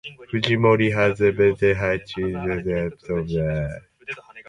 Fujimori has denied that Higuchi had been tortured.